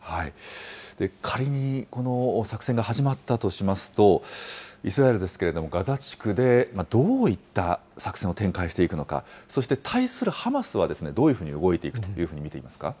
仮に、この作戦が始まったとしますと、イスラエルですけれども、ガザ地区でどういった作戦を展開していくのか、そして対するハマスは、どういうふうに動いていくというふうに見ていますか。